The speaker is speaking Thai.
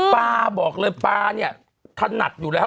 ปลาบอกเลยปลาเนี่ยถนัดอยู่แล้ว